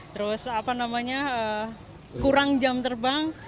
terus apa namanya kurang jam terbang